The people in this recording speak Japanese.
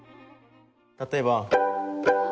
例えば。